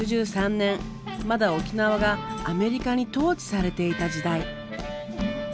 まだ沖縄がアメリカに統治されていた時代。